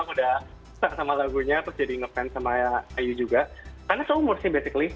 udah sama lagunya terus jadi ngefans sama ayu juga karena seumur sih basically